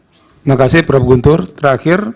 terima kasih prabu guntur terakhir